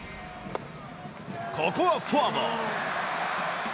ここはフォアボール。